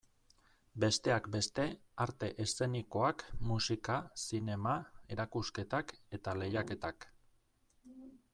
Besteak beste, arte eszenikoak, musika, zinema, erakusketak eta lehiaketak.